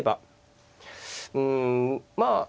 うんまあ